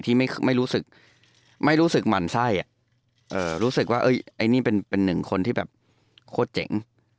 ที่ไม่รู้สึกหมั่นไส้รู้สึกว่าอันนี้เป็นหนึ่งคนที่แบบโคตรเจ๋ง